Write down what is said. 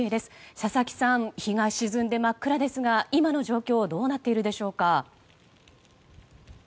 佐々木さん日が沈んで真っ暗ですが今の状況はどうなっているでしょうか？